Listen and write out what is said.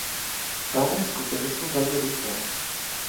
Žánry skupiny jsou velmi různé.